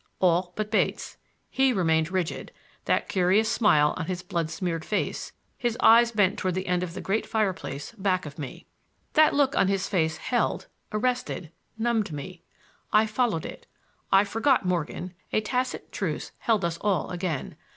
All but Bates. He remained rigid—that curious smile on his blood smeared face, his eyes bent toward the end of the great fireplace back of me. That look on his face held, arrested, numbed me; I followed it. I forgot Morgan; a tacit truce held us all again.